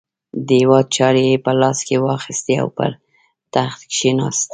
د هیواد چارې یې په لاس کې واخیستې او پر تخت کښېناست.